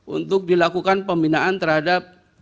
untuk dilakukan pembinaan terhadap